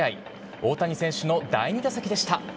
大谷選手の第２打席でした。